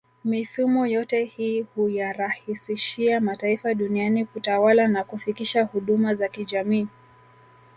Mifumo yote hii huyarahisishia mataifa duniani kutawala na kufikisha huduma za kijamii